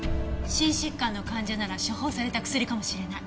心疾患の患者なら処方された薬かもしれない。